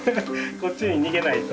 こっちに逃げないと。